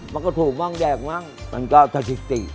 มันก็ถูกบ้างแดกมั่งมันก็สถิติ